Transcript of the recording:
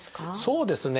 そうですね